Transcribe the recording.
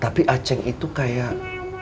tapi aceh itu kayak